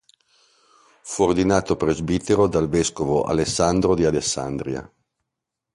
Fu ordinato presbitero dal vescovo Alessandro di Alessandria.